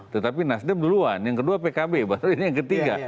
tetapi nasdem duluan yang kedua pkb baru ini yang ketiga